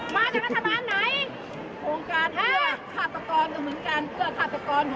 มาจากรัฐบาลไหนโครงการห้าฆาตกรก็เหมือนกันเพื่อฆาตกร